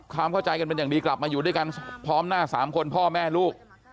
ความเข้าใจกันเป็นอย่างดีกลับมาอยู่ด้วยกันพร้อมหน้า๓คนพ่อแม่ลูก